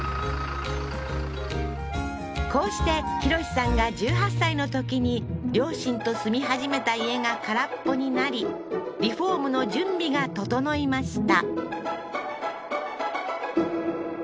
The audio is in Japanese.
こうして浩さんが１８歳のときに両親と住み始めた家が空っぽになりリフォームの準備が整いました